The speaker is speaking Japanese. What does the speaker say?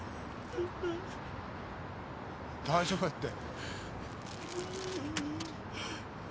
大丈夫だって。